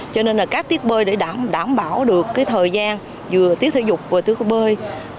cho nên các tiết bơi để đảm bảo được thời gian giữa tiết thể dục và tiết bơi